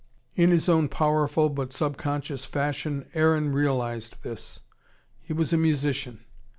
In his own powerful but subconscious fashion Aaron realized this. He was a musician.